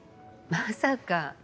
まさか。